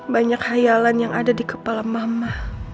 banyak hayalan yang ada di kepala mama